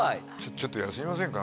「ちょっと休みませんか？